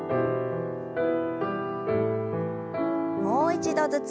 もう一度ずつ。